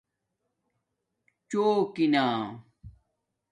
چݸکنا